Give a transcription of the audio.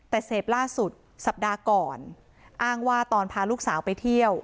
แต่เสพล่าสุดสัปดาห์ก่อนอ้างว่าตอนพาลูกสาวไปเที่ยว